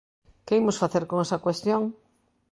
¿Que imos facer con esa cuestión?